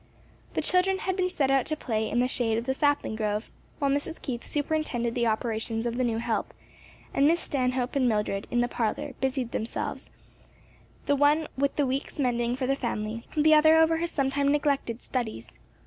The children had been sent out to play in the shade of the sapling grove, while Mrs. Keith superintended the operations of the new help, and Miss Stanhope and Mildred, in the parlor, busied themselves, the one with the week's mending for the family, the other over her sometime neglected studies.